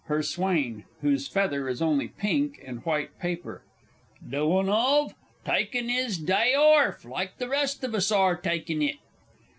HER SWAIN (whose feather is only pink and white paper). Doin' of? Tykin' 'is d'y orf like the rest of us are tykin' it.